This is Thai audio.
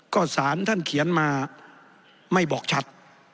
ก็สารท่านเขียนมาไม่บอกชัด